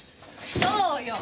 そうよ！